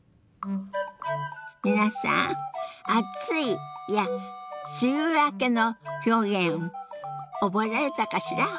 皆さん「暑い」や「梅雨明け」の表現覚えられたかしら。